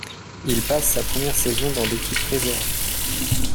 Il passe sa première saison dans l'équipe réserve.